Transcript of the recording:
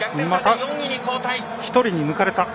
４位に後退。